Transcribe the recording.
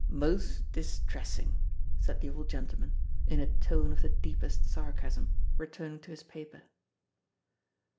"Most distressin'," said the old gentleman, in a tone of the deepest sarcasm, returning to his paper.